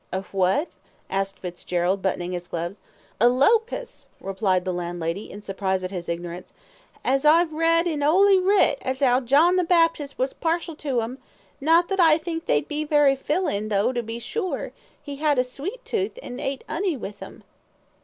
"A what?" asked Fitzgerald, buttoning his gloves. "A low cuss!" replied the landlady, in surprise at his ignorance, "as I've read in 'Oly Writ, as 'ow John the Baptist was partial to 'em, not that I think they'd be very fillin', tho', to be sure, 'e 'ad a sweet tooth, and ate 'oney with 'em."